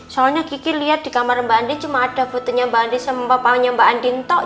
soalnya kiki lihat di kamar mbak andin cuma ada fotonya mbak andin sama papanya mbak andin toh